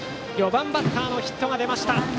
４番バッターのヒットが出ました。